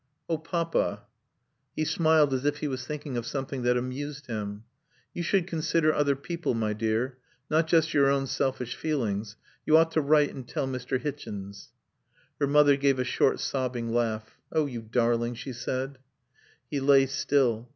"Oh Papa " He smiled as if he was thinking of something that amused him. "You should consider other people, my dear. Not just your own selfish feelings.... You ought to write and tell Mr. Hichens." Her mother gave a short sobbing laugh. "Oh, you darling," she said. He lay still.